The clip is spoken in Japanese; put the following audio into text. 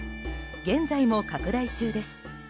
現在も拡大中です。